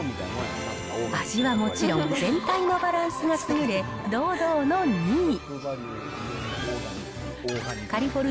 味はもちろん、全体のバランスが優れ、堂々の２位。